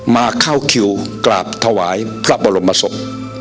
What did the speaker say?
มาเข้าคิวกราบถวายพระบรมศพ